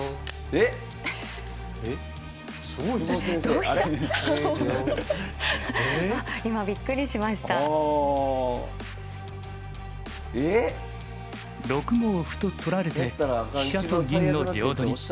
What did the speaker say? えっ⁉ええ⁉６五歩と取られて飛車と銀の両取り。